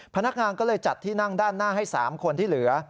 พนักงานก็เลยจัดที่นั่งด้านหน้าให้๓คนที่เหลือ